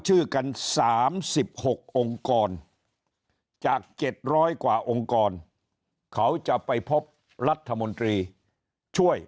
ชื่อกัน๓๖องค์กรจาก๗๐๐กว่าองค์กรเขาจะไปพบรัฐมนตรีช่วย